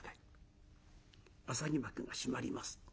浅黄幕が閉まります。